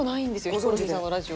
ヒコロヒーさんのラジオ。